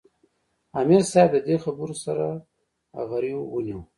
" امیر صېب د دې خبرو سره غرېو ونیوۀ ـ